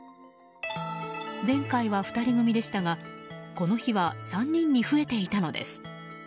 前回は２人組でしたが、この日は３人に増えていたのです。